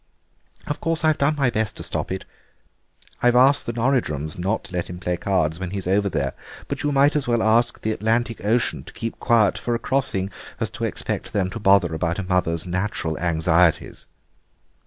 Of course I've done my best to stop it; I've asked the Norridrums not to let him play cards when he's over there, but you might as well ask the Atlantic Ocean to keep quiet for a crossing as expect them to bother about a mother's natural anxieties."